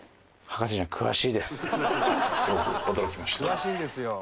「詳しいんですよ！」